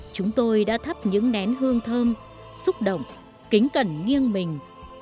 chúng tôi đã thắp những nén hương thơm xúc động kính cẩn nghiêng mình